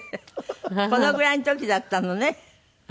このぐらいの時だったのね。